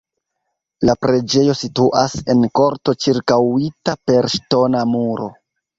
La preĝejo situas en korto ĉirkaŭita per ŝtona muro.